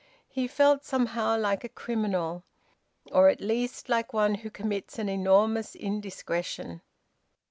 He felt somehow like a criminal, or at least like one who commits an enormous indiscretion.